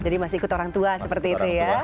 jadi masih ikut orang tua seperti itu ya